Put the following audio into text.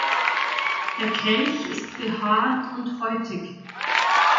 Der Kelch ist behaart und häutig.